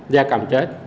gia cầm chết